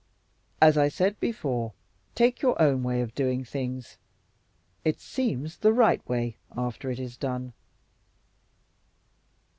"As I said before, take your own way of doing things. It seems the right way after it is done."